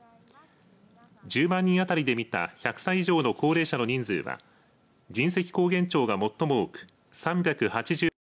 １０万人当たりで見た１００歳以上の高齢者の人数は神石高原町が最も多く３８８．４２人